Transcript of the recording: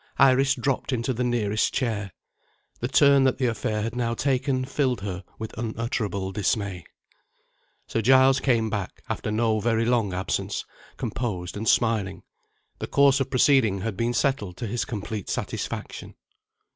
Iris dropped into the nearest chair. The turn that the affair had now taken filled her with unutterable dismay. Sir Giles came back, after no very long absence, composed and smiling. The course of proceeding had been settled to his complete satisfaction.